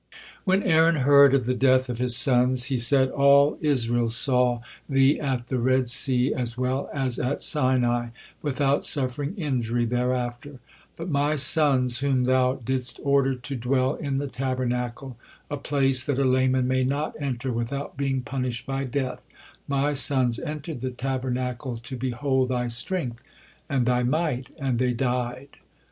When Aaron heard of the death of his sons, he said: "All Israel saw Thee at the Red Sea as well as at Sinai without suffering injury thereafter; but my sons, whom Thou didst order to dwell in the Tabernacle, a place that a layman may not enter without being punished by death my sons entered the Tabernacle to behold Thy strength and Thy might, and they died!"